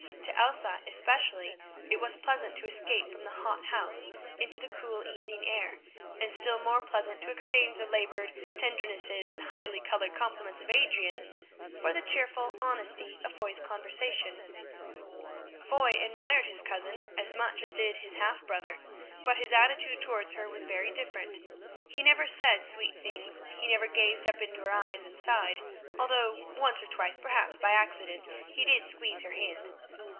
To Elsa, especially, it was pleasant to escape from the hot house into the cool evening air, and still more pleasant to exchange the laboured tendernesses and highly coloured compliments of Adrian for the cheerful honesty of Foy's conversation. Foy admired his cousin as much as did his half brother, but his attitude towards her was very different. He never said sweet things; he never gazed up into her eyes and sighed, although once or twice, perhaps by accident, he did squeeze her hand.